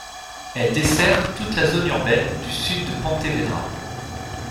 Elle dessert toute la zone urbaine du sud de Pontevedra.